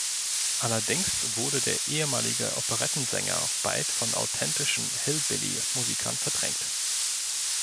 Allerdings wurde der ehemalige Operetten-Sänger bald von authentischen Hillbilly-Musikern verdrängt.